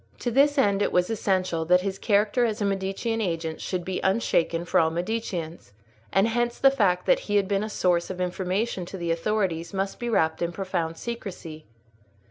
To this end it was essential that his character as a Medicean agent should be unshaken for all Mediceans, and hence the fact that he had been a source of information to the authorities must be wrapped in profound secrecy.